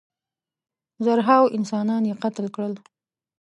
زرهاوو انسانان یې قتل کړل.